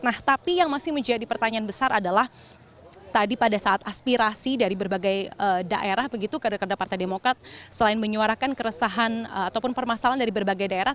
nah tapi yang masih menjadi pertanyaan besar adalah tadi pada saat aspirasi dari berbagai daerah begitu kader kader partai demokrat selain menyuarakan keresahan ataupun permasalahan dari berbagai daerah